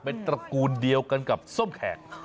เป็นตระกูลเดียวกันกับส้มแขก